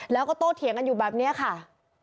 แล้วก็โตเถียงกันอยู่แบบนี้ค่ะ